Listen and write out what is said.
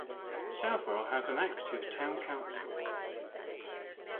Southwell has an active Town Council.